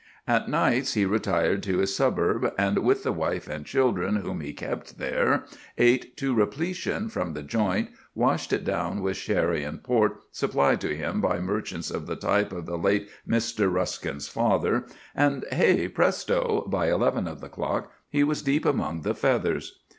At nights he retired to his suburb, and, with the wife and children whom he kept there, ate to repletion from the joint, washed it down with sherry and port supplied to him by merchants of the type of the late Mr. Ruskin's father; and, hey, presto! by eleven of the clock he was deep among the feathers.